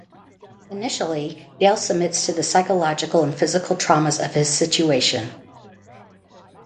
Initially Dale submits to the psychological and physical traumas of his situation.